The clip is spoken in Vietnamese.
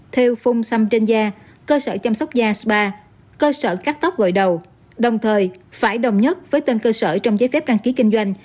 theo phung xăm trên da cơ sở chăm sóc da spa cơ sở cắt tóc gội đầu đồng thời phải đồng nhất với tên cơ sở trong giấy phép đăng ký kinh doanh